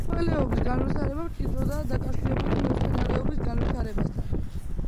მეცხოველეობის განვითარება მჭიდროდაა დაკავშირებული მემცენარეობის განვითარებასთან.